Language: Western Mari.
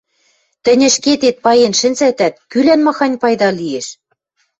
Тӹнь ӹшкетет паен шӹнзӓтӓт, кӱлӓн махань пайда лиэш?